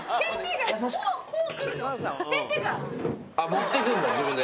持ってくんだ自分で。